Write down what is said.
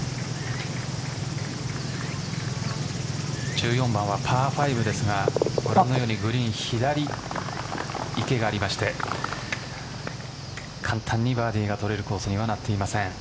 １４番はパー５ですがご覧のようにグリーン左、池がありまして簡単にバーディーを取れるコースにはなっていません。